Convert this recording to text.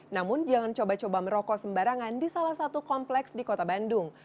namun jangan coba coba merokok sembarangan di salah satu kompleks di kota bandung